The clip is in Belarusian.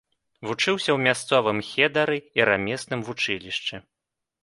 Вучыўся ў мясцовым хедары і рамесным вучылішчы.